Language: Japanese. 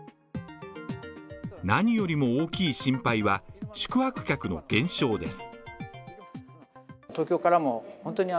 何よりも大きい心配は宿泊客の減少です。